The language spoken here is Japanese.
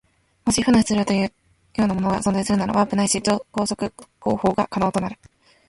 もし負の質量といったようなものが存在するなら、ワープないし超光速航法が可能となる。